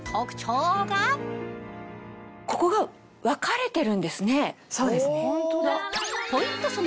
ここが分かれてるんですね。